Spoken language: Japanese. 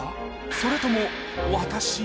「それとも私？」